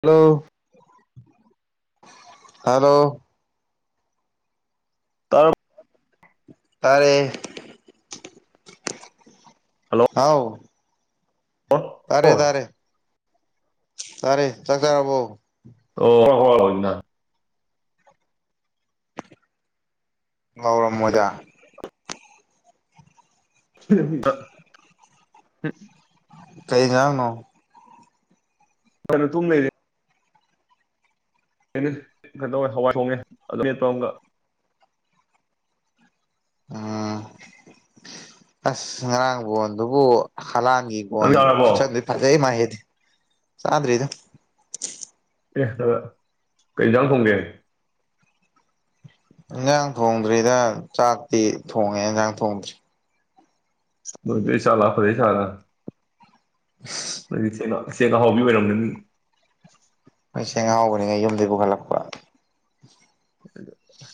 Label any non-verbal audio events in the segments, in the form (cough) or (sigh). hello hello ꯇꯔꯞ ꯇꯔꯦ ꯍꯥꯎ ꯇꯥꯔꯦ ꯑꯣ ꯇꯥꯔꯦ ꯇꯥꯔꯦ ꯆꯥꯛ ꯆꯔꯕꯣ ꯑꯣ ꯍꫭꯏꯅ ꯍꯥꯎꯔꯝꯃꯣꯏꯗ (unintelligible) ꯀꯩ ꯏꯟꯖꯥꯡꯅꯣ (inaudible) ꯀꯩꯋꯦ ꯍꯋꯥꯏ ꯊꯣꯡꯉꯦ ꯑꯗꯨꯝ ꯑꯃꯦꯠꯄ ꯑꯃꯒ (inaudible) ꯎꯝ ꯑꯁ ꯉꯔꯥꯡꯕꯣꯟ ꯗꯨꯕꯨ ꯍꯂꯥꯟꯒꯤ ꯅꯪ ꯒꫭꯟ ꯆꯥꯔꯕꯣ ꯈꯨꯠꯆꯟꯗꯤ ꯐꯖꯩ ꯃꯥꯏꯑꯦꯗꯤ ꯆꯥꯗ꯭ꯔꯤꯗ ꯑꯦꯍ ꯀꯩ ꯏꯟꯖꯥꯡ ꯊꯣꯡꯒꯦ ꯏꯟꯖꯥꯡ ꯊꯣꯡꯗ꯭ꯔꯤꯗ ꯆꯥꯛꯇꯤ ꯊꯣꯡꯉꯦ ꯏꯟꯖꯥꯡ ꯊꯣꯡꯗ꯭ꯔꯤ (unintelligible) ꯑꯁꯦꯡ ꯑꯍꯥꯎꯕ ꯃꯤ ꯑꯣꯏꯔꯝꯒꯅꯤ ꯃꯣꯏꯁꯦ ꯉꯥꯎꯕꯅꯤꯅ ꯌꯨꯝꯗꯩ ꯄꯨꯈꯠꯂꯛꯄ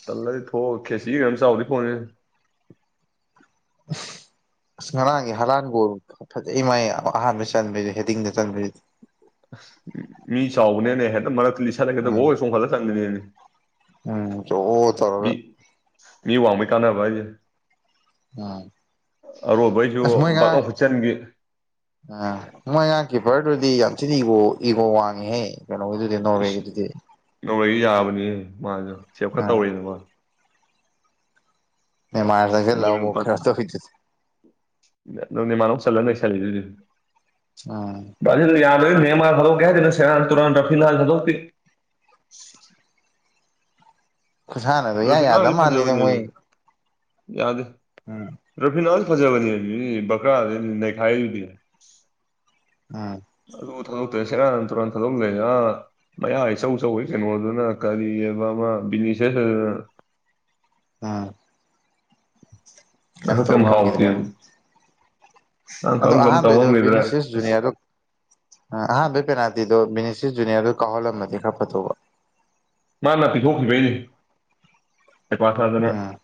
ꯇꯜꯂꯗꯤ ꯊꯣꯛꯑꯒ ꯈꯦꯆꯤꯔ ꯀꯩꯅꯣꯝꯃ ꯆꯥꯎꯗꯨꯏ ꯄꯣꯠꯅꯦꯗ ꯎ (unintelligible) ꯑꯁ ꯉꯔꯥꯡꯒꯤ ꯍꯂꯥꯟ ꯒꫭꯜ ꯐꯖꯩ ꯃꯥꯏ ꯑꯍꯥꯟꯕ ꯆꯟꯁ ꯍꯦꯗꯤꯡꯗ ꯆꯟꯕꯩ ꯃꯤ ꯆꯥꯎꯕꯅꯤꯅꯦ ꯍꯦꯛꯇ ꯃꯔꯛꯇ ꯂꯤꯁꯠꯂ ꯍꯦꯛꯇ ꯎꯝ ꯋꫭꯏ ꯆꫭꯡꯈꯠꯂ ꯆꯟꯕꯤꯅꯤꯅꯦ ꯎꯝ ꯆꯣ ꯇꯔꯒ ꯃꯤ ꯋꯥꯡꯕꯩ ꯀꯥꯟꯅꯕ ꯍꯥꯏꯖꯦ ꯎꯝ ꯑꯔꯣꯕꯩꯁꯨ ꯕꯛꯂꯥꯎ ꯍꯨꯠꯆꯟꯒꯤ ꯎꯝ ꯃꯣꯏ ꯑꯉꯥꯡ ꯀꯤꯄꯔꯗꯨꯗꯤ ꯌꯥꯝ ꯊꯤꯅ ꯏꯒꫭ ꯏꯒꫭ ꯋꯥꯡꯉꯤꯍꯦ ꯀꯩꯅꯣꯒꯤꯗꯨꯗꯤ ꯅꯣꫪꯋꯦ ꯒꯤꯗꯨꯗꯤ ꯅꫭꯔꯋꯦꯖꯨ ꯌꯥꯕꯅꯤ ꯃꯥꯅ ꯁꯦꯞ ꯈꯔ ꯑꯥ ꯇꯧꯔꯤꯅꯦꯕ (unintelligible) ꯅꯦꯃꫪꯅ ꯆꯜꯂ ꯅꯩꯁꯂꯗꯨꯗꯤ ꯑꯥ (unintelligible) ꯈꯨꯁꯥꯟꯅꯗꯣ ꯏꯌꯥ ꯌꯥꯗ ꯔꯦꯐꯤꯅꯥꯗꯤ ꯃꯥꯜꯂꯤꯗ ꯐꯥꯖꯕꯅꯦ ꯃꯣꯏ ꯌꯥꯗꯦ ꯎꯝ ꯔꯦꯐꯤꯅꯥꯜ (inaudible) ꯌꯥꯝ ꯐꯖꯕꯅꯦ ꯃꯤ ꯕꯀꯥꯗ ꯅꯩꯈꯥꯏꯔꯤꯗꯨꯗꯤ ꯎꯝ ꯑꯗꯨ ꯊꯥꯗꯣꯛꯇ꯭ꯔ ꯁꯦꯔ ꯅ ꯇꯨꯔꯥꯟ ꯊꯥꯗꯣꯛ ꯂꯩꯅ ꯑ ꯃꯌꯥ ꯏꯆꯧꯆꯧꯒꯩ ꯀꯩꯅꯣꯗꯨꯅ ꯀꯔꯤ ꯍꯥꯏꯕ ꯑꯃ ꯕꯤꯅꯤꯁꯦꯁ ꯑ ꯀꯝ ꯇꯧꯕ ꯉꯝꯒꯤꯗ꯭ꯔꯦ ꯑꯗꯣ ꯑꯍꯜꯕ ꯩꯗꯣ ꯕꯤꯅꯤꯁꯤꯦꯁ ꯖꯨꯅꯤꯌꯥꯔꯗꯣ ꯑꯍꯥꯜꯕꯩ ꯄꯦꯅꯥꯜꯇꯤꯗꯣ ꯕꯦꯅꯤꯁꯦ ꯖꯨꯅꯤꯌꯥꯔ ꯀꯍꯣꯂꯝꯗꯤ ꯈꯔ ꯐꯗꯧꯕ ꯃꯥꯅ ꯄꯤꯊꯣꯛꯈꯤꯕꯩꯅꯤ ꯍꯪꯩꯄꯥ ꯁꯥꯗꯅ ꯎꯝ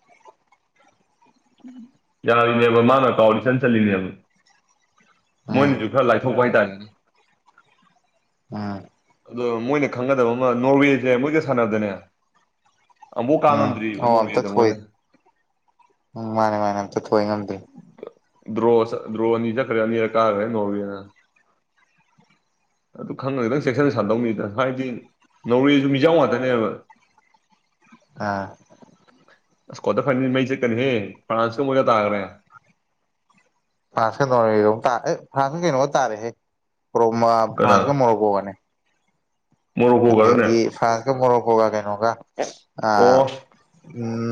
ꯌꯥꯔꯤꯅꯦꯕ ꯃꯥꯅ ꯀꯥꯎꯜ ꯏꯆꯟ ꯆꯂꯤꯅꯦꯕ ꯎꯝ ꯃꯣꯏꯁꯨ ꯈꯔ ꯂꯥꯏꯊꯣꯛꯄ ꯍꯥꯏꯇꯥꯔꯦꯅꯤ ꯎꯝ ꯑꯗꯣ ꯃꯣꯏꯅ ꯈꯪꯒꯗꯕ ꯑꯃ ꯅꯣꯔꯋꯦꯁꯦ ꯃꯣꯏꯒ ꯁꯥꯟꯅꯕꯗꯅꯦ ꯎꯝ ꯑꯣ ꯑꯝꯇ ꯊꯣꯏ ꯎꯝ ꯃꯥꯅꯦ ꯃꯥꯅꯦ ꯑꯝꯇ ꯊꯣꯏ ꯉꯝꯗꯦ ꯗ꯭ꯔꯣ ꯑꯅꯤꯗ ꯗ꯭ꯔꯣꯋꯅꯤ ꯆ ꯀꯔꯅꯤꯔ ꯀꯥ ꯍꯥꯏꯦ ꯅꯣꯅ (unintelligible) ꯑꯗꯨ ꯈꯪꯉꯒꯗꯪ ꯆꯦꯛꯁꯤꯟꯅ ꯁꯥꯟꯗꯧꯅꯤꯗ ꯍꯥꯏꯗꯤ ꯅꯧꯔꯦꯁꯨ ꯃꯤꯖꯥꯎ ꯉꯥꯛꯇꯅꯦꯕ ꯍꯥ ꯑꯁ ꯀ꯭ꯋꯥꯇꯔ ꯐꯥꯏꯅꯦꯜ ꯃꯩ ꯆꯠꯀꯅꯤꯍꯦ ꯐ꯭ꯔꯥꯟꯁꯨ ꯃꯣꯏꯒ ꯇꯥꯈ꯭ꯔꯦ ꯐ꯭ꯔꯥꯟꯁꯀ ꯑꯦ ꯐ꯭ꯔꯥꯟꯁꯀ ꯀꯩꯅꯣ ꯇꯥꯔꯦꯍꯦ ꯔꯣꯝ ꯀꯅꯥ ꯐ꯭ꯔꯥꯟꯁꯀ ꯃꯣꯔꯣꯀꯣꯒꯅꯦ ꯃꯣꯔꯣꯀꯣꯒꯔꯅꯦ ꯑꯗꯒꯤ ꯐ꯭ꯔꯥꯟꯁꯀ ꯃꯣꯔꯣꯀꯣꯒ ꯀꯩꯅꯣꯒ ꯑ ꯑꯣ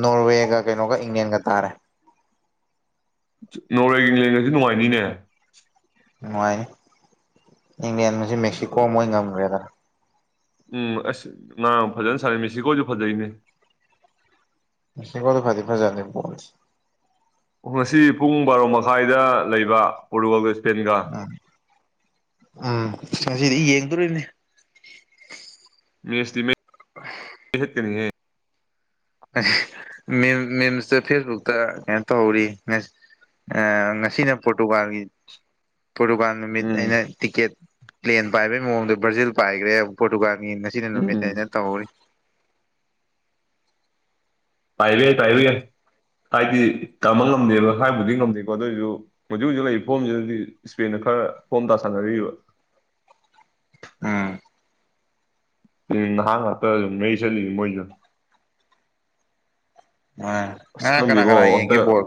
ꯅꯣꯔꯋꯦꯒ ꯀꯩꯅꯣꯒ ꯏꯪꯂꯦꯟꯒ ꯇꯥꯔꯦ ꯅꯣꯔꯔꯦꯒꯤ ꯡꯂꯦꯟꯒꯁꯨ ꯅꯨꯡꯉꯥꯏꯅꯤꯅꯦ ꯅꯨꯡꯉꯥꯏꯅꯤ ꯏꯪꯂꯦꯟꯃꯖꯨ ꯃꯦꯛꯁꯤꯀꯣ ꯃꯣꯏ ꯉꯝꯒ꯭ꯔꯦꯗꯅ ꯎꯝ ꯑꯁ ꯅꯅꯥ ꯐꯖꯅ ꯁꯥꯔ ꯃꯦꯁꯤꯀꯣꯁꯨ ꯐꯖꯩꯅꯦ ꯁꯤꯀꯣꯗ ꯐꯗꯤ ꯐꯖꯥꯅꯤ ꯕꯣꯜ ꯉꯁꯤ ꯄꯨꯡ ꯕꯥꯔꯣ ꯃꯈꯥꯏꯗ ꯂꯩꯕ ꯄꯣꯒ ꯁꯄꯦꯟꯒ ꯑ ꯎꯝ ꯑꯁꯤꯗꯤ ꯌꯦꯡꯗꯣꯔꯤꯅꯦ ꯃꯤ ꯑꯁꯂꯤꯍ ꯀꯅꯤ ꯍꯥꯏ (inaudible) ꯃꯦꯜ ꯃꯦꯜꯁꯇ ꯐꯦꯁꯕꯨꯛꯇ ꯀꯩꯅꯣ ꯇꯧꯍꯧꯔꯤ ꯉꯁꯤꯅ ꯄꯣꯔꯇꯨꯒꯥꯜꯒꯤ ꯄꯣꯔꯗꯨꯨꯀꯥꯟ ꯅꯨꯃꯤꯠ ꯎꯝ ꯑꯩꯅ ꯇꯤꯛꯀꯦꯠ ꯄ꯭ꯂꯦꯟ ꯄꯥꯏꯕꯩ ꯃꯑꯣꯡꯗꯣ ꯕ꯭ꯔꯥꯖꯤꯜ ꯄꯥꯏꯈ꯭ꯔꯦ ꯄꯣꯇꯨꯒ꯭ꯔꯥꯒꯤ ꯉꯁꯤꯅ ꯅꯨꯃꯤꯠ ꯎꯝ ꯑꯩꯅ ꯇꯧꯍꯧꯔꯤ ꯄꯥꯏꯕ ꯌꯥꯏ ꯄꯥꯏꯕ ꯌꯥꯏ ꯍꯥꯏꯗꯤ ꯇꯃ ꯉꯝꯗꯦꯕ ꯍꯥꯏꯕꯨꯗꯤ ꯉꯝꯗꯦꯀꯣ ꯑꯗꯨꯑꯣꯏꯁꯨ ꯍꯧꯖꯤꯛ ꯍꯧꯖꯤꯛ ꯂꯩꯔꯤꯕ ꯐꯣꯝꯁꯤꯗꯗꯤ ꯏꯁꯄꯦꯗ ꯈꯔ ꯐꯣꯝ ꯇꯥ ꯁꯥꯟꯅꯔꯤꯕ ꯎꯝ ꯎꯝ ꯅꯍꯥ ꯉꯥꯛꯇ ꯁꯨꯝ ꯃꯩ ꯁꯠꯂꯤ ꯃꯣꯏꯁꯨ ꯑ ꯑꯁ ꯉꯔꯥꯡ ꯀꯅꯥ ꯈꯪꯗꯦꯀꯣ ꯀꯅꯥ ꯌꯦꯡꯒꯦ ꯍꯟꯗꯛ ꯕꯣꯜ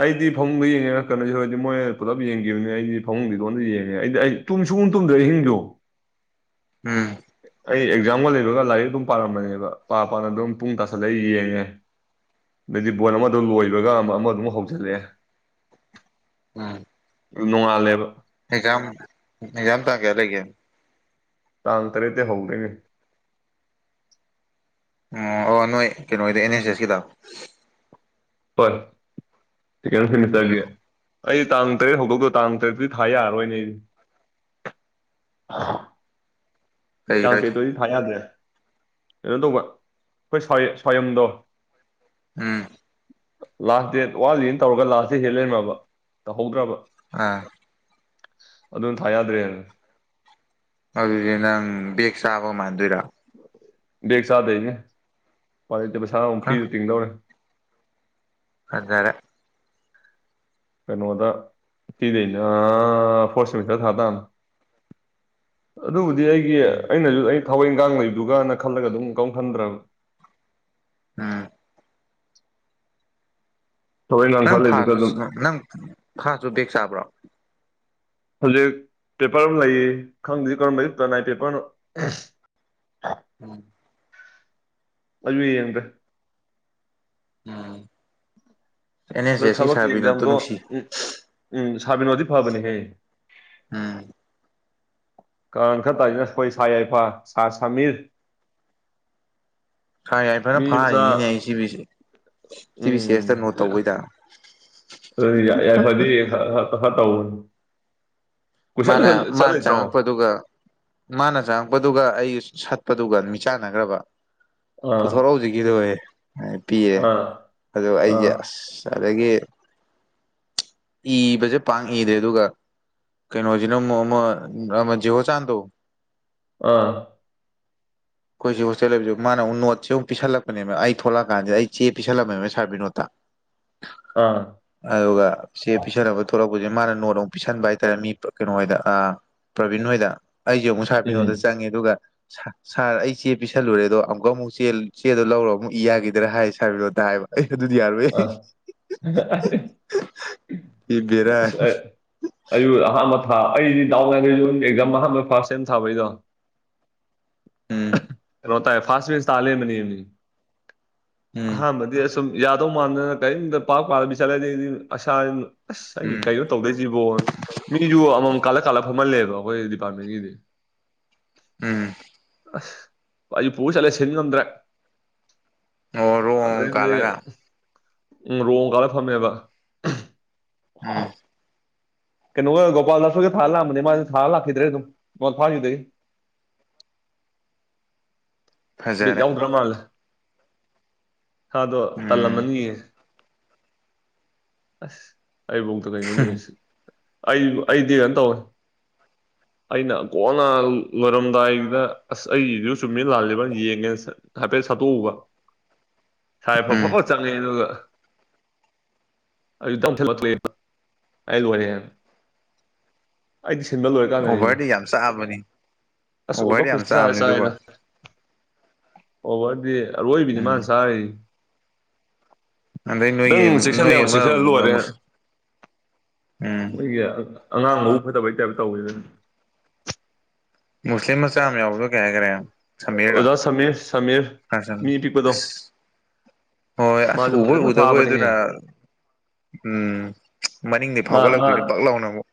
ꯑꯩꯗꯤ ꯐꯃꯨꯡꯗ ꯌꯦꯡꯉꯦ ꯉ ꯀꯩꯅꯣꯁꯤ ꯍꯧꯔꯗꯤ ꯃꯣꯏꯅ ꯄꯨꯂꯞ ꯌꯦꯡꯈꯤꯕꯅꯤ ꯑꯩꯗꯤ ꯐꯃꯨꯡꯗꯤ ꯏꯇꯣꯟꯗ ꯌꯦꯡꯉꯦ ꯑꯩꯗꯤ ꯑꯩ ꯇꯨꯝꯁꯨꯨꯡꯨꯝ ꯇꯨꯝꯗ꯭ꯔ ꯑ ꯍꯤꯡꯖꯨ (unintelligible) ꯎꯝ ꯍ (inaudible) ꯑꯩ ꯑꯦꯛꯖꯥꯝꯒ ꯂꯩꯕꯒ ꯂꯥꯏꯔꯤꯛ ꯑꯗꯨꯝ ꯄꯥꯔꯝꯕꯅꯦꯕ ꯄꯥ ꯄꯥꯅ ꯑꯗꯨꯝ ꯄꯨꯡ ꯇꯥꯁꯜꯂ ꯌꯦꯡꯉꯦ ꯑꯗꯤ ꯕꯣꯜ ꯑꯃꯗꯣ ꯂꯣꯏꯕꯒ ꯑꯃ ꯑꯃꯗꯨꯝ ꯍꯧꯖꯜꯂꯛꯑꯦ ꯎꯝ ꯅꯣꯡꯉꯥꯜꯂꯦꯕ ꯑꯦꯛꯖꯥꯝ ꯑꯦꯛꯖꯥꯝ ꯇꯥꯡ ꯀꯌꯥ ꯂꯩꯒꯦ ꯇꯥꯡ ꯇꯔꯦꯠꯇ ꯍꯧꯗꯣꯏꯅꯦ ꯑꯣ ꯑꯣ ꯅꯣꯏ ꯀꯩꯅꯣꯗ ꯑꯦꯟ ꯑꯦꯁ ꯑꯦꯁꯀꯤꯗ ꯄꯠ ꯁꯦꯀꯦꯟ ꯁꯦꯃꯤꯁꯇꯔꯒꯤ ꯎꯝ ꯑꯩ ꯇꯥꯡ ꯇꯔꯦꯠ ꯍꯧꯗꯣꯛꯗꯣ ꯇꯥꯡ ꯇꯔꯦꯠꯇꯤ ꯊꯥ ꯌꯥꯔꯔꯣꯏꯅꯦ ꯑꯩꯗꯤ ꯆꯥꯡ ꯂꯩꯔꯣꯏ ꯀꯩꯗꯣꯏꯗꯤ ꯊꯥ ꯌꯥꯗ꯭ꯔꯦ ꯀꯩꯅꯣ ꯇꯧꯕ ꯑꯩꯈꯣꯏ ꯁ꯭ꯋꯥꯌꯝꯗꯣ ꯎꯝ ꯂꯥꯁ ꯗꯦꯠ ꯋꯥꯟꯂꯤꯅ ꯇꯧꯔꯒ ꯂꯥꯁ ꯗꯦ ꯍꯦꯜ ꯂꯩꯔꯝꯃꯕ ꯇꯧꯍꯧꯗ꯭ꯔꯕ ꯑꯥ ꯑꯗꯨꯅ ꯊꯥ ꯌꯥꯗ꯭ꯔꯦꯅ ꯑꯗꯨꯗꯤ ꯅꯪ ꯕꯦꯒ ꯆꯥꯕ ꯃꯥꯟꯗꯣꯏꯔꯥ ꯕꯦꯛ ꯆꯥꯗꯩꯅꯦ ꯎꯄꯥꯏ ꯂꯩꯇꯦ ꯄꯩꯁꯥ ꯑꯃꯛ ꯑ ꯐ꯭ꯔꯤꯗ ꯇꯤꯡꯗꯧꯅꯤ ꯐꯖꯔꯦ (unintelligible) ꯑꯗꯨꯕꯨꯗꯤ ꯑꯩꯒꯤ ꯎꯝ ꯑꯩꯅꯁꯨ ꯑꯩ ꯊꯕꯛ ꯏꯟꯒꯥꯡ ꯂꯩꯕꯗꯨꯒꯅ ꯈꯜꯂꯒ ꯑꯗꯨꯝ ꯀꯝ ꯈꯟꯗ꯭ꯔꯕ ꯎꯝ ꯊꯕꯛ ꯏꯪꯈꯥꯡ ꯅꯪ ꯈꯔ ꯂꯩꯕꯗꯨꯒ ꯐꯥꯁꯨ ꯑꯗꯨꯝ ꯅꯪ ꯐꯥꯁꯨ ꯕꯦꯛ ꯆꯥꯕ꯭ꯔꯣ ꯍꯧꯖꯤꯛ ꯄꯦꯄꯔ ꯑꯃ ꯂꯩ ꯈꯪꯗꯁꯤ ꯀꯔꯝꯕꯌꯛꯇꯅꯥꯏ ꯄꯦꯄꯔꯅꯣ ꯎꯝ ꯑꯩꯖꯨ ꯌꯦꯡꯗꯦ ꯎꯝ ꯑꯦꯟ ꯑꯦꯁ ꯑꯗꯣ ꯑꯦꯁꯀꯤ ꯊꯕꯛꯀꯤ ꯁꯥꯔꯕꯤꯅꯣꯠꯇ ꯑꯦꯛꯖꯥꯝꯗꯣ ꯅꯨꯡꯁꯤ ꯎꯝ ꯎꯝ ꯁꯥꯕꯤꯅꯣꯗꯤ ꯐꯕꯅꯦꯍꯦ ꯎꯝ ꯀ ꯈꯔ ꯇꯥꯏꯅ ꯑꯩꯈꯣꯏ ꯁꯥ ꯌꯥꯏꯐ ꯁꯥ ꯁꯃꯤꯔ ꯈꯔ ꯌꯥ ꯐꯖꯅ ꯃꯤ ꯃꯆꯥ ꯐꯥꯔꯤꯅꯤꯅꯦ ꯑꯩ ꯁꯤꯚꯁꯤ ꯁꯤꯚꯤꯁꯤꯁꯇ ꯅꯣꯠ ꯇꯧꯕꯩꯗꯔ ꯁꯗꯤ ꯍꯥ ꯇ ꯃꯥꯅ ꯃꯥꯅ ꯆꯪꯉꯛꯄꯗꯨꯒ ꯃꯥꯅ ꯆꯪꯉꯛꯄꯗꯨꯒ ꯑꯩ ꯁꯠꯄꯗꯨꯒ ꯃꯤ ꯆꯥꯟꯅꯈ꯭ꯔꯕ ꯑꯥ ꯄꯨꯊꯣꯔꯛꯎꯧꯁꯤꯒꯤꯗ ꯄꯤꯔꯦ ꯑꯥ ꯑꯣ ꯑꯥ ꯑꯩꯁꯦ ꯑꯁ ꯑꯗꯒꯤ ꯏꯕꯁꯦ ꯄꯥꯡ ꯏꯗꯦ ꯑꯗꯨꯒ ꯀꯩꯅꯣꯁꯤꯅ ꯑꯃꯨꯛ ꯑꯃ ꯑꯃ ꯖꯤꯍꯣ ꯆꯥꯟꯗꯣ ꯑꯥ ꯑꯩꯈꯣꯏꯁꯤ ꯍꯣꯁꯇꯦꯜ ꯂꯩꯕꯖꯨ ꯃꯥꯅ ꯑꯃꯨꯛ ꯅꯣꯠꯁꯦ ꯑꯃꯨꯛ ꯄꯤꯁꯜꯂꯛꯄꯅꯦꯕ ꯑꯩ ꯊꯣꯛꯂꯛꯑꯀꯥꯟꯁꯤꯗ ꯑꯩ ꯆꯦ ꯄꯤꯁꯜꯂꯝꯃꯦꯕ ꯁꯥꯔ ꯕꯤꯅꯣꯠꯇ (unintelligible) ꯑꯥ ꯑꯗꯨꯒ ꯆꯦ ꯄꯤꯁꯟꯅꯕ ꯊꯣꯛꯂꯛꯄꯁꯦ ꯃꯥꯅ ꯅꯣꯠ ꯑꯃꯨꯛ ꯄꯤꯁꯟꯕ ꯍꯥꯏꯇꯥꯔꯦ ꯃꯤ ꯀꯩꯅꯣ ꯍꯥꯏꯗ ꯑꯥ ꯄ꯭ꯔꯕꯤꯟ ꯍꯣꯏꯗ ꯑꯩꯁꯦ ꯑꯃꯨꯛ ꯁꯥꯔ ꯎꯝ ꯕꯤꯅꯣꯗꯇ ꯆꯪꯉꯦ ꯑꯗꯨꯒ ꯁꯥ ꯁꯥꯔ ꯑꯩ ꯆꯦ ꯄꯤꯁꯜꯂꯨꯔꯦꯗꯣ ꯑꯃꯨꯛꯀ ꯑꯃꯨꯛ ꯆ ꯆꯦꯗꯣ ꯂꯧꯔꯒ ꯑꯃꯨꯛ ꯏ ꯌꯥꯈꯤꯗꯔꯥ ꯍꯥꯏꯌꯦ ꯁꯥꯔꯕꯤꯗꯣꯗꯥꯏꯕ ꯑꯩ ꯑꯗꯨꯗꯤ ꯌꯥꯔꯣꯏ ꯑꯥ ꯍꯥꯏꯔ ꯑꯩꯁꯨ ꯑꯍꯥꯟꯕ ꯊꯥ ꯑꯩꯗꯤ ꯗꯥꯎꯅꯈꯩꯁꯨ ꯑꯦꯛꯖꯥꯝ ꯑꯍꯥꯟꯕ ꯐꯥꯔꯁ ꯁꯦꯝ ꯊꯥꯕꯩꯗꯣ ꯎꯝ ꯔꯣꯇꯥ ꯐꯥꯁꯃꯤꯁꯂꯃꯅꯤꯅꯤ ꯎꯝ ꯍꯥ ꯃꯗꯤꯁ ꯁꯨꯝ ꯌꯥꯗꯧ ꯃꯥꯟꯗꯅ ꯀꯔꯤꯝꯇ ꯄꯥꯛ ꯄꯥꯔꯕꯤ ꯆꯠꯂ ꯑꯁꯥ ꯑꯁ ꯑꯩ ꯎꯝ ꯀꯣ ꯇꯧꯗꯣꯏꯁꯤꯕꯣ ꯃꯤꯁꯨ ꯑꯃꯃꯝ ꯀꯥꯜꯂ ꯀꯥꯜꯂ ꯐꯝꯍꯜꯂꯦꯕ ꯑꯈꯣꯏ ꯗꯤꯄꯥꯔꯠꯃꯦꯟꯒꯤꯗꯤ ꯎꯝ ꯑ ꯑꯩ ꯄꯨꯔ ꯆꯠꯂꯦ ꯁꯤꯟ ꯉꯝꯗ꯭ꯔꯦ ꯑꯣ ꯔꯣꯡ ꯑꯃꯨꯛ ꯑꯗꯩꯗꯤ ꯀꯥꯜꯂꯒ ꯎꯝ ꯔꯣ ꯀꯥꯜꯂ ꯐꯝꯃꯦꯕ ꯎꯝ ꯀꯩꯅꯣꯒ ꯒꯣꯄꯥꯜ ꯁꯣꯏꯒ ꯊꯥꯔ ꯂꯥꯛꯑꯝꯕꯅꯤ ꯃꯥꯗꯤ ꯊꯥꯔ ꯂꯥꯛꯈꯤꯗ꯭ꯔꯦ ꯑꯗꯨꯝ ꯐꯥꯈꯤꯗꯒꯤ (unintelligible) ꯕꯤꯠ ꯐꯖꯔꯦ ꯌꯥꯎꯗ꯭ꯔ ꯃꯥꯜꯂꯦ ꯁꯥꯗꯣ ꯎꯝ ꯇꯜꯂꯝꯃꯅꯤꯌꯦ ꯑꯁ ꯑꯩꯕꯣꯛꯇ ꯀꯩꯅꯣꯅꯦ ꯑꯩ ꯑꯩꯗꯤ ꯑꯟ ꯇꯧꯋꯦ (inaudible) ꯑꯩꯅ ꯀꯣꯟꯅ ꯂꯣꯏꯔꯝꯗꯥꯏꯗꯨꯗ ꯑꯁ ꯑꯩ ꯏꯔꯤꯗꯨ ꯆꯨꯝꯃꯤꯔ ꯂꯥꯜꯂꯤꯕ ꯌꯦꯡꯒꯦꯅ ꯆꯠ ꯈꯠꯇꯦ ꯁꯠꯇꯣꯛꯎꯕ ꯁꯥꯏ ꯎꯝ ꯐꯐꯠ ꯆꯪꯉꯛꯑꯦ ꯑꯗꯨꯒ ꯑꯗꯨ (inaudible) ꯑꯩ ꯂ‌ꯣꯏꯔꯦꯝ ꯑꯩꯗꯤ ꯁꯤꯟꯕ ꯂꯣꯏꯔꯀꯥꯟꯗꯅꯤꯗ ꯑꯣꯚꯔꯗꯤ ꯌꯥꯝ ꯆꯥꯕꯅꯤ ꯑꯁ ꯑꯣꯚꯔꯗꯤ ꯑꯣꯕꯔ ꯌꯥꯝ ꯈꯨꯆꯥꯗꯤ ꯆꯥꯕꯅꯤ ꯆꯥꯏꯗ ꯑꯗꯨꯒ ꯑꯣꯕꯔꯗꯤ ꯑꯔꯣꯏꯕꯤꯅꯤ ꯃꯥꯅ ꯎꯝ ꯆꯥꯔꯤ ꯑꯗꯩ ꯅꯪ ꯅꯣꯏꯒꯤ ꯆꯦꯛꯁꯟꯕ ꯅꯣꯏ ꯌꯥꯕ ꯑꯃ ꯆꯦꯛꯁꯜꯂ ꯂꯣꯏꯔꯦ ꯎꯝ ꯃꯣꯏꯒꯤ ꯑ ꯑꯉꯥꯡ ꯃꯕꯨꯛ ꯐꯠꯇꯕꯩ ꯇꯥꯏꯞꯇ ꯇꯧꯋꯦ ꯃꯨꯁꯂꯤꯝ ꯃꯆꯥ ꯑꯃ ꯌꯥꯎꯕꯗꯣ ꯀꯩ ꯍꯥꯏꯒ꯭ꯔꯦ ꯁꯃꯤꯔꯒ ꯑꯣꯖꯥ ꯁꯃꯤꯔ ꯁꯃꯤꯔ (unintelligible) ꯑꯁ ꯃꯤ ꯄꯤꯛꯄꯗꯣ ꯍꯣꯏ ꯑꯁ ꯃꯥꯁꯨ ꯎꯕꯣꯏ ꯐꯖꯅ ꯎꯗꯕꯣꯏ ꯐꯥꯕꯅꯦꯍꯦ ꯑꯗꯨꯅ ꯎꯝ ꯃꯅꯤꯡꯗꯩ ꯃꯥ ꯃꯥ ꯐꯥꯎꯒꯠꯂꯛꯇꯨꯏꯔ ꯕꯛ ꯂꯥꯎꯅ ꯑꯃꯨꯛ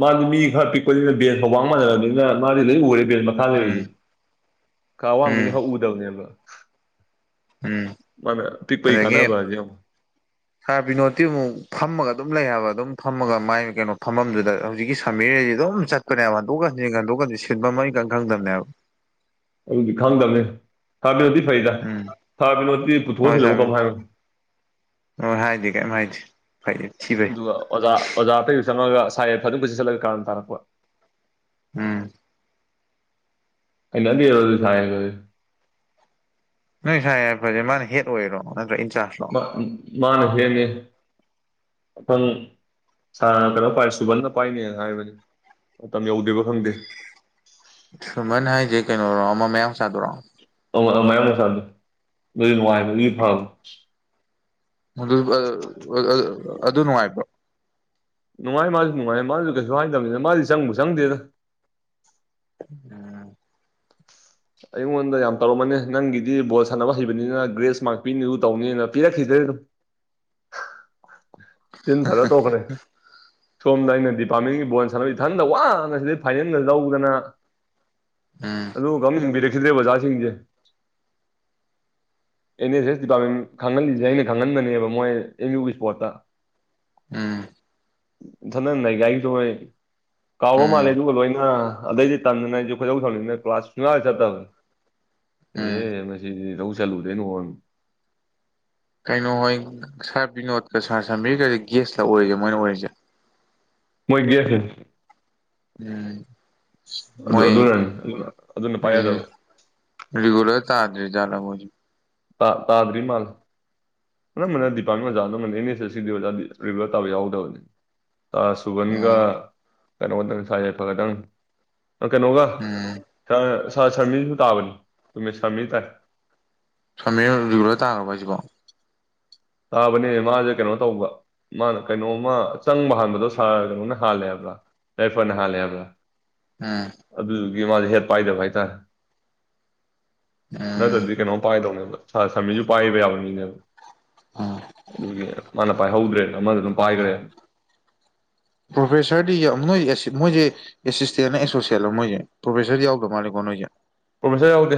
ꯃꯥꯗꯤ ꯃꯤ ꯈꯔ ꯄꯤꯛꯄꯅꯤꯅ ꯕꯦꯟꯁꯒ ꯋꯥꯡ ꯃꯥꯟꯅꯔꯕꯅꯤꯅ ꯃꯥꯗꯤ ꯂꯣꯏ ꯎꯔꯦ ꯕꯦꯟꯁ ꯃꯈꯥ ꯎꯝ ꯂꯩꯕꯗꯨ ꯈ ꯑꯋꯥꯡꯕꯤ ꯎꯝ ꯃꯤꯅ ꯈꯔ ꯎꯗꯝꯅꯦꯕꯥ ꯎꯝ ꯑꯗꯒꯤ ꯍꯥꯏꯁꯦ ꯌꯦꯡꯉꯣ ꯁꯥꯔ ꯕꯤꯅꯣꯠꯇꯤ ꯑꯃꯨꯛ ꯐꯝꯃꯒ ꯑꯗꯨꯝ ꯂꯩ ꯍꯥꯏꯕ ꯑꯗꯨꯝ ꯐꯝꯃꯒ ꯃꯥꯏ ꯀꯩꯅꯣ ꯐꯝꯕꯝꯗꯨꯗ ꯍꯧꯖꯤꯛꯀꯤ ꯁꯥꯝꯃꯤꯔ ꯍꯥꯏꯖꯤ ꯑꯗꯨꯝ ꯆꯠꯄꯅꯦꯕ ꯍꯟꯗꯣꯛꯀ ꯍꯟꯖꯤꯟꯒ ꯍꯟꯗ‌ꯣꯛꯀ ꯍꯟꯖꯤꯟ ꯁꯤꯟꯐꯝ ꯑꯝ ꯏꯈꯪ ꯈꯪꯗꯕꯅꯦꯕ ꯑꯗꯨꯗꯤ ꯈꯪꯗꯕꯅꯦ ꯁꯥꯔ ꯕꯤꯅꯣꯠꯇꯤ ꯐꯩꯗ ꯎꯝ ꯁꯥꯔ ꯕꯤꯅꯣꯠꯇꯤ ꯄꯨꯊꯣꯛꯑ ꯍꯣꯏ ꯁꯥꯔ ꯁꯤꯜꯂꯕꯣꯛ ꯀꯝ ꯍꯥꯏꯔꯣꯏ ꯍꯣꯏ ꯍꯥꯏꯗ‌ꯦ ꯀꯩꯝ ꯍꯥꯏꯗ‌ꯦ ꯐꯩ ꯊꯤ ꯑꯗꯨꯒ ꯑꯣꯖꯥ ꯑꯣꯖꯥ ꯑꯇꯩꯁꯨ ꯆꯪꯉꯛꯑꯒ ꯁꯥꯔ ꯌꯥꯏꯐꯗꯣ ꯄꯨꯁꯤꯁꯤꯜꯂꯒ ꯀꯥꯔꯟ ꯇꯥꯔꯛꯄ ꯎꯝ (unintelligible) ꯅꯣꯏ ꯁꯥꯔ ꯌꯥꯏꯐꯖꯦ ꯃꯥꯅ ꯍꯦꯠ ꯑꯣꯏꯔꯣ ꯅꯠꯇ꯭ꯔ ꯏꯟꯆꯥꯔꯖ ꯃꯥ ꯃꯥꯅ ꯍꯦꯠꯅ‌ꯦ ꯑꯐꯪ ꯁꯥꯔꯅ ꯀꯩꯅꯣ ꯄꯥꯏ ꯁꯨꯃꯟꯅ ꯄꯥꯏꯅꯦꯅ ꯍꯥꯏꯕꯅꯤ ꯃꯇꯝ ꯌꯧꯗ꯭ꯔꯤꯕ ꯈꯪꯗꯦ ꯁꯨꯃꯟ ꯍꯥꯏꯖꯦ ꯀꯩꯅꯣ ꯑꯃ ꯃꯌꯥꯡ ꯃꯆꯥꯗꯨꯔꯣ ꯑꯣ ꯑꯝ ꯃꯌꯥꯡ ꯃꯆꯥꯗꯣ ꯗꯨꯗꯤ ꯅꯨꯡꯉꯥꯏꯕꯒꯤ ꯐꯕ ꯃꯗꯨ (unintelligible) ꯑꯗꯨ ꯅꯨꯡꯉꯥꯏꯕꯔ‌ꯣ ꯅꯨꯡꯉꯥꯏ ꯃꯥꯁꯨ ꯅꯨꯡꯉꯥꯏ ꯃꯥꯁꯨ ꯀꯩꯁꯨ ꯍꯥꯏꯗꯕꯅꯤꯗ ꯃꯥꯗꯤ ꯆꯪꯕꯨ ꯆꯪꯗꯦꯗ ꯑꯣ ꯑꯩꯉꯣꯟꯗ ꯌꯥꯝ ꯇꯧꯔꯝꯃꯅꯦ ꯅꯪꯒꯤꯗꯤ ꯕꯣꯜ ꯁꯥꯟꯅꯕ ꯍꯩꯕꯅꯤꯅ ꯒ꯭ꯔꯦꯁ ꯃꯥꯔꯛ ꯄꯤꯅꯤꯗꯨ ꯇꯧꯅꯤꯅ ꯄꯤꯔꯛꯈꯤꯗꯔ‌ꯦ ꯑꯗꯨꯝ ꯇꯤꯟ ꯐꯔ ꯇ‌ꯣꯛꯈ꯭ꯔ‌ꯦ ꯁꯣꯝꯗ ꯑꯩꯅ ꯗꯤꯄꯥꯔꯠꯃꯦꯟꯒꯤ ꯕꯣꯟ ꯁꯥꯟꯅꯕ ꯏꯊꯟꯗ ꯋꯥꯅ ꯁꯤꯗ ꯐꯥꯏꯅ‌ꯦꯜꯒ ꯂꯧꯗꯅ ꯎꯝ ꯑꯗꯨꯒ ꯑꯝ ꯌ‌ꯦꯡꯕꯤꯔꯛꯈꯤꯗ꯭ꯔꯦ ꯑꯣꯖꯥꯁꯤꯡꯁꯦ ꯑꯦꯟ ꯑꯦꯁ ꯑꯦꯁ ꯗꯤꯄꯥꯔꯠꯃꯦꯟ ꯈꯪꯍꯜꯂꯤꯖ‌ꯦ ꯑꯩꯅ ꯈꯪꯍꯟꯕꯅꯦꯕ ꯃꯣꯏ ꯑꯦꯝ ꯌꯨꯒꯤ ꯏꯁ꯭ꯄꯣꯔꯠꯇ ꯎꯝ ꯏꯊꯟꯅ ꯅꯩꯒꯥꯏꯒꯤꯗꯣꯍ‌ꯦ ꯀꯥꯎꯈ꯭ꯔ ꯃꯥꯜꯂꯦ ꯎꯝ ꯑꯗꯨꯒ ꯂꯣꯏꯅ ꯑꯗꯩꯗꯤ ꯇꯟꯗꯅ ꯑꯩꯖꯨ ꯈꯣꯏꯗꯧ ꯁꯧꯅꯤꯡꯗꯅ ꯀ꯭ꯂꯥꯁ ꯁꯨꯡꯆꯠ ꯆꯠꯇꯕꯟ ꯎꯝ ꯑꯦꯍ‌ꯦ ꯃꯁꯤꯗꯤ ꯀꯩꯗꯧ ꯆꯠꯂꯨꯗꯩꯅ‌ꯣꯟ ꯀꯩꯅꯣ ꯍꯣꯏ ꯁꯥꯔ ꯕꯤꯅꯣꯠꯀ ꯁꯥꯔ ꯁꯝꯕꯤꯔꯒꯗꯤ ꯒꯦꯁꯂ ꯑꯣꯏꯔꯤꯁꯦ ꯃꯣꯏꯅ ꯑꯣꯏꯔꯤꯁꯦ ꯃꯣꯏ ꯒꯦꯁꯅꯦ ꯎꯝ ꯑꯗꯨ ꯃꯣꯏ ꯑꯗꯨꯅꯅꯤ ꯑꯗꯨꯅ ꯄꯥꯏ ꯌꯥꯗꯕ ꯔꯤꯒꯨꯂꯔ ꯇꯥꯗꯔꯤꯖꯥꯠꯂ‌ꯣ ꯃ‌ꯣꯏꯁꯤ ꯇꯥ ꯇꯥꯗꯔꯤ ꯃꯥꯜ ꯑꯅꯝꯕꯅ ꯗꯤꯄꯥꯔꯠꯃꯦꯟ ꯑꯣꯖꯥ ꯑꯅꯝꯕꯅ ꯑꯦꯟ ꯑ‌ꯦꯁ ꯑꯦꯁꯒꯤꯗꯤ ꯑꯣꯖꯥ ꯔꯤꯒꯨꯂꯔ ꯇꯥꯕ ꯌꯥꯎꯗꯕꯅꯤ ꯑꯁ ꯁꯨꯕꯟꯒ ꯎꯝ ꯀꯩꯅꯣꯒꯇꯅ‌ꯦ ꯁꯥꯔ ꯌꯥꯏꯐ ꯒꯗꯪ ꯀꯩꯅꯣꯒ ꯎꯝ ꯁꯥꯔ ꯁꯥꯔ ꯁꯃꯤꯔꯁꯨ ꯇꯥꯕꯅꯤ ꯆꯨꯝꯃꯦ ꯁꯃꯤꯔ ꯇꯥꯏ ꯁꯃꯤꯔ ꯔꯤꯒꯨꯂꯔ ꯇꯥꯔꯕꯣ ꯍꯥꯏꯖꯤꯕꯣ ꯇꯥꯕꯅꯦ ꯃꯥꯁꯦ ꯀꯩꯅꯣ ꯇꯧꯕ ꯃꯥꯅ ꯀꯩꯅꯣꯝꯃ ꯆꯪꯕ ꯍꯥꯟꯕꯗꯣ ꯁꯥꯔ ꯀꯩꯅꯣꯅ ꯍꯥꯜꯂꯦꯕ꯭ꯔꯥ ꯌꯥꯏꯐꯅ ꯍꯥꯜꯂꯦ ꯍꯥꯏꯕ꯭ꯔ ꯎꯝ ꯑꯗꯨꯗꯨꯒꯤ ꯃꯥꯁꯦ ꯍꯠ ꯄꯥꯏꯗꯕ ꯍꯥꯏꯇꯥꯔꯦ ꯎꯝ ꯅꯠꯇ꯭ꯔꯗꯤ ꯀꯩꯅꯣꯝ ꯄꯥꯏꯗꯧꯅꯦꯕ ꯁꯥ ꯁꯟꯃꯤꯁꯨ ꯄꯥꯏꯕ ꯌꯥꯕ ꯃꯤꯅꯦꯕ ꯑꯝ ꯑꯗꯨꯒꯤ ꯃꯥꯅ ꯄꯥꯏꯍꯧꯗ꯭ꯔꯦꯅ ꯑꯃꯗꯨꯅ ꯄꯥꯏꯈ꯭ꯔꯦ ꯄ꯭ꯔꯣꯐꯦꯁꯔꯗꯤ ꯌꯥꯝ ꯅꯣꯏ ꯑꯁꯤ ꯃꯣꯏꯁꯦ ꯑꯦꯁꯤꯁꯇꯦꯟꯂꯣ ꯑꯦꯁꯣꯁꯤꯌꯦꯠꯂꯣ ꯃꯣꯏꯁꯦ ꯄ꯭ꯔꯣꯐꯦꯁꯔ ꯌꯥꯎꯗꯕ ꯃꯥꯜꯂꯦꯀꯣ ꯅꯣꯏꯁꯦ ꯄ꯭ꯔꯣꯐꯦꯁꯔ ꯌꯥꯎꯗꯦ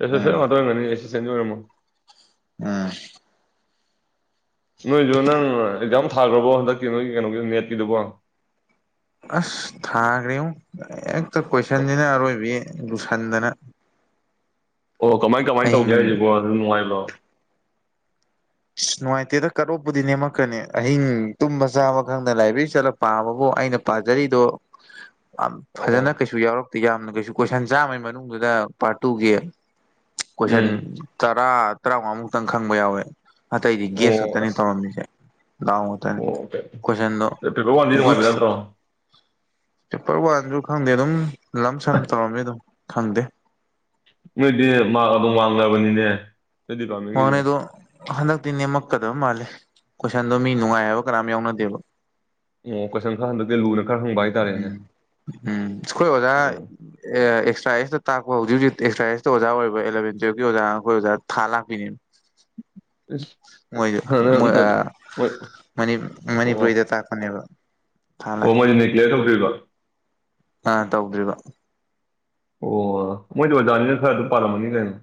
ꯑꯦꯁꯣꯁꯤꯠ ꯎꯝ ꯋꯥꯗꯔꯝꯒꯅꯤ ꯑꯦꯁꯤꯁꯇꯦꯟ ꯑꯣꯏꯔꯝꯃꯣ ꯎꯝ ꯅꯣꯏꯁꯨ ꯅꯪ ꯑꯦꯛꯖꯥꯝ ꯊꯥꯈ꯭ꯔꯕꯣ ꯍꯟꯗꯛꯀꯤ ꯅꯣꯏꯒꯤ ꯀꯩꯅꯣꯒꯤ ꯅꯦꯠꯀꯤꯗꯨꯕꯣ ꯑꯁ ꯊꯥꯈ꯭ꯔꯦꯉꯣ ꯍꯦꯛꯇ ꯀꯣꯏꯁꯟꯅꯤꯅ ꯑꯔꯣꯏꯕꯤ ꯂꯨꯁꯟꯗꯅ ꯑꯣ ꯀꯃꯥꯏ ꯀꯃꯥꯏꯅ ꯑꯍꯤꯡ ꯇꯧꯒꯦ ꯍꯥꯏꯔꯤꯁꯤꯕꯣ ꯑꯗꯨ ꯅꯨꯡꯉꯥꯏꯕ꯭ꯔꯣ ꯑꯁ ꯅꯨꯡꯉꯥꯏꯇꯦꯗ ꯀꯠꯂꯣꯛꯞꯄꯨꯗꯤ ꯅꯦꯝꯃꯛꯀꯅꯤ ꯑꯍꯤꯡ ꯇꯨꯝꯕ ꯆꯥꯕ ꯈꯪꯗꯅ ꯂꯥꯏꯕ꯭ꯔꯦꯔꯤ ꯆꯠꯂꯛꯄ ꯄꯥꯕꯕꯨ ꯑꯩꯅ ꯄꯥꯖꯔꯤꯗꯣ ꯑꯝ ꯑꯣ ꯐꯖꯅ ꯀꯩꯁꯨ ꯌꯥꯎꯔꯛꯇꯦ ꯌꯥꯝꯅ ꯀꯩꯁꯨ ꯀꯣꯏꯁꯟ ꯆꯥꯝꯃꯩ ꯃꯅꯨꯡꯗꯨꯗ ꯄꯥꯔꯠ ꯇꯨꯒꯤ ꯀꯣꯏꯁꯟ ꯎꯝ ꯇꯔꯥ ꯇꯔꯥꯃꯉꯥꯃꯨꯛꯇꯪ ꯈꯪꯕ ꯌꯥꯎꯋꯦ ꯑꯇꯩꯗꯤ ꯒꯦꯁ ꯑꯣ ꯈꯛꯇꯅꯤ ꯑꯁ ꯇꯧꯔꯝꯃꯤꯁꯦ ꯂꯥꯎ ꯑꯣ ꯑꯣꯀꯦ ꯀꯣꯏꯁꯟꯗꯣ ꯄꯦꯄꯔ ꯋꯥꯟꯗꯤ ꯅꯨꯡꯉꯥꯏꯕ ꯒꯨꯗ ꯅꯠꯇ꯭ꯔꯣ ꯆꯥꯞꯇꯦꯔ ꯋꯥꯟꯁꯨ ꯈꯪꯗꯦ ꯑꯗꯨꯝ ꯂꯝ ꯁꯟ ꯇꯧꯔꯝꯃꯦ ꯑꯗꯨꯝ ꯈꯪꯗꯦ ꯅꯣꯏꯗꯤ ꯑꯗꯨꯝ ꯃꯥꯡꯅꯕꯅꯤꯅꯦ ꯋꯥꯡꯅꯩꯗꯣ ꯍꯟꯗꯛꯇꯤ ꯅꯦꯝꯃꯛꯀꯗꯕ ꯃꯥꯜꯂꯦ ꯀꯣꯏꯁꯟꯗꯣ ꯃꯤ ꯅꯨꯡꯉꯥꯏ ꯍꯥꯏꯕ ꯀꯅꯥꯝ ꯌꯥꯎꯅꯗꯦꯕ ꯑꯣ ꯀꯣꯏꯁꯟ ꯈꯔ ꯍꯟꯗꯛꯇꯤ ꯂꯨꯅ ꯈꯔ ꯍꯪꯕ ꯍꯥꯏꯇꯥꯔꯦꯅꯦ ꯎꯝ ꯎꯝ ꯑꯈꯣꯏ ꯑꯣꯖꯥ ꯑꯣ ꯑꯦꯛꯁꯇ꯭ꯔꯥ ꯑꯦꯁꯇ ꯇꯥꯛꯄ ꯍꯧꯖꯤꯛ ꯍꯧꯖꯤꯛ ꯑꯦꯛꯁꯇ꯭ꯔꯥ ꯑꯦꯁꯇ ꯑꯣꯖꯥ ꯑꯣꯏꯕ ꯑꯦꯂꯚꯦꯟ ꯇꯨꯋꯜꯞꯀꯤ ꯑꯣꯖꯥ ꯑꯩꯈꯣꯏ ꯑꯣꯖꯥ ꯊꯥ ꯂꯥꯛꯄꯤꯅꯦꯕ ꯏꯁ (unintelligible) ꯃꯣꯏ ꯃꯣꯏ ꯑꯥ ꯃꯅꯤ ꯃꯅꯤꯄꯨꯔꯤꯗ ꯑꯣ ꯇꯥꯛꯄ ꯊꯟꯅꯦꯕ ꯑꯣ ꯃꯣꯏꯗꯨ ꯀꯂꯤꯌꯥꯔ ꯇꯧꯗꯔ꯭ꯤꯕ ꯑ ꯇꯧꯗ꯭ꯔꯤꯕ ꯑꯣ ꯃꯣꯏꯗꯤ ꯑꯣꯖꯥꯅꯤꯅ ꯈꯔꯗꯤ ꯄꯥꯜꯂꯝꯃꯅꯤ ꯀꯩꯅꯣ